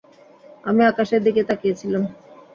আমি আকাশের দিকে তাকিয়েছিলাম।